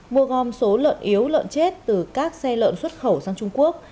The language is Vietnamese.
mua gom số lợn yếu lợn chết từ các xe lợn xuất khẩu sang trung quốc